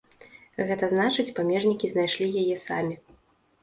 Гэта значыць, памежнікі знайшлі яе самі.